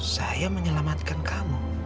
saya menyelamatkan kamu